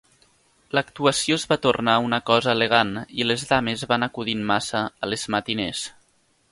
L'actuació es va tornar una cosa elegant i les dames van acudir en massa a les matinés.